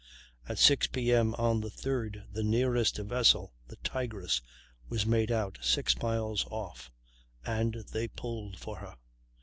At 6 P.M. on the 3d, the nearest vessel, the Tigress, was made out, six miles off, and they pulled for her.